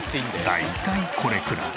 大体これくらい。